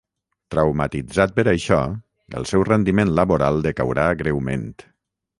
Traumatitzat per això, el seu rendiment laboral decaurà greument.